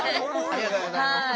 ありがとうございます。